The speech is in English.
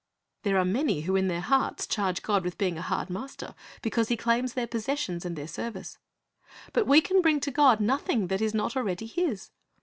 There are many who in their hearts charge God with being a hard master because He claims their possessions and their service. But we can bring to God nothing that is not already His.